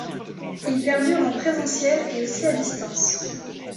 Il perdure en présentiel et aussi à distance.